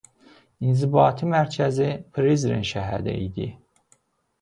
İnzibati mərkəzi Prizren şəhəri idi.